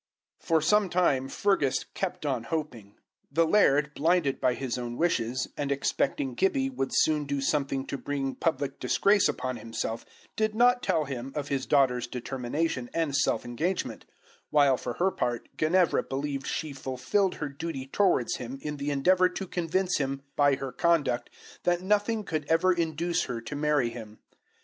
For some time Fergus kept on hoping. The laird, blinded by his own wishes, and expecting Gibbie would soon do something to bring public disgrace upon himself, did not tell him of his daughter's determination and self engagement, while, for her part, Ginevra believed she fulfilled her duty towards him in the endeavour to convince him by her conduct that nothing could ever induce her to marry him.